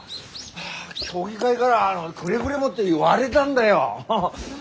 協議会がらくれぐれもって言われでだんだよハハ。